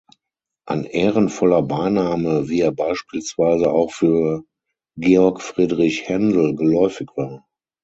Ein ehrenvoller Beiname, wie er beispielsweise auch für Georg Friedrich Händel geläufig war.